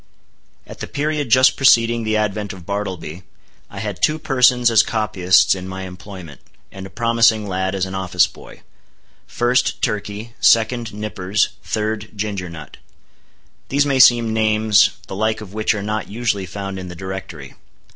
At the period just preceding the advent of Bartleby, I had two persons as copyists in my employment, and a promising lad as an office boy. First, Turkey; second, Nippers; third, Ginger Nut. These may seem names, the like of which are not usually found in the Directory.